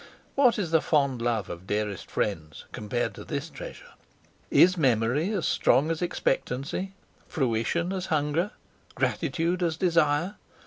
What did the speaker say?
What is the fond love of dearest friends compared to this treasure? Is memory as strong as expectancy? fruition, as hunger? gratitude, as desire?